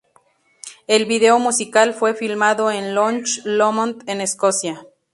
El vídeo musical fue filmado en Loch Lomond en Escocia.